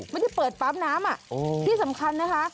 ไม่ได้เปิดปั๊มน้ำที่สำคัญนะคะ